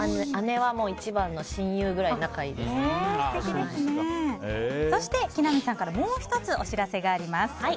姉は一番の親友ぐらいそして、木南さんからもう１つお知らせがあります。